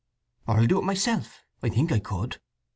Or I'll do it myself—I think I could.